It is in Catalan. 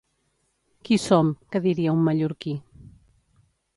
Qui som, que diria un mallorquí.